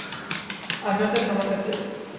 আমি ওকে থামাতে চাই।